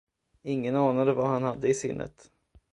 Ingen anade, vad han hade i sinnet.